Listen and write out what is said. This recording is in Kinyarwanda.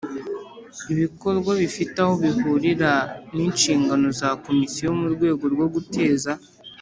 ibikorwa bifite aho bihurira n inshingano za Komisiyo mu rwego rwo guteza